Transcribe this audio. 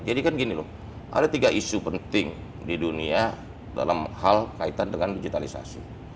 jadi kan gini loh ada tiga isu penting di dunia dalam hal kaitan dengan digitalisasi